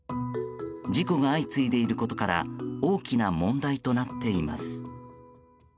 事故が相次いでいることから大きな問題となっています。